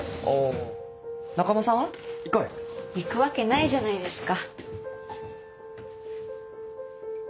行くわけないじゃないですか。